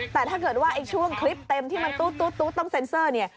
แต่ถ้าเกิดว่าไอ้ช่วงคลิปเต็มที่มันตุ๊ดต้องเซ็นเซอร์เนี่ย